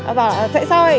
và bảo là sẽ sao vậy